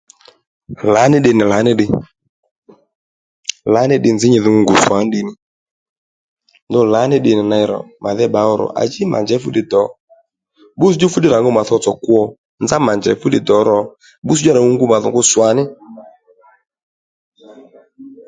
Laní ddiy nì lǎní ddiy lǎní ddiy nzǐ nyi dho ngu ngù swà ní ddiy ní ya lǎní ddiy nì ney màdhí bba ó ro à ji mà njěy fúddiy dò bbǔsùdjú fúddiy rà ngu mà tsotso kwo nzá mà njèy fúddiy dò ro bbǔsùdjú à rà ngu ngu mà dho swǎ ní